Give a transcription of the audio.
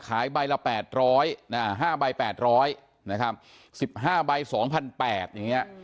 ขายใบละแปดร้อยน่ะห้าใบแปดร้อยนะครับสิบห้าใบสองพันแปดอย่างเงี้ย